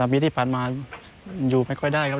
ปีที่ผ่านมาอยู่ไม่ค่อยได้ครับ